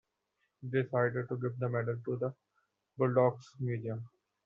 They decided to gift the medal to the Bulldogs museum.